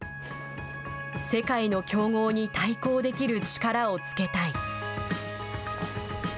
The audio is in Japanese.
世界の強豪に対抗できる力をつけたい。